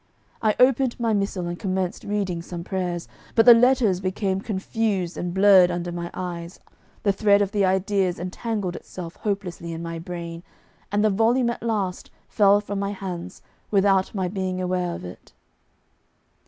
I opened my missal and commenced reading some prayers, but the letters became confused and blurred under my eyes, the thread of the ideas entangled itself hopelessly in my brain, and the volume at last fell from my hands without my being aware of it.